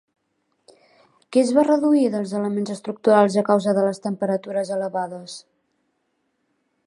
Què es va reduir dels elements estructurals a causa de les temperatures elevades?